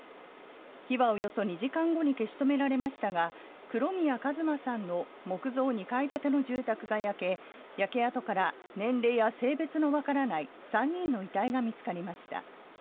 火はおよそ２時間後に消し止められましたが黒宮一馬さんの木造２階建ての住宅が焼け焼け跡から年齢や性別のわからない３人の遺体が見つかりました。